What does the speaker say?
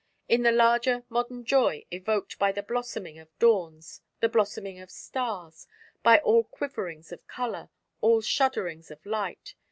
in the larger modern joy evoked by the blossoming of dawns, the blossoming of stars, by all quiverings of color, all shudderings of light?